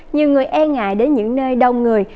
nhiều người e ngại đến những nơi đông người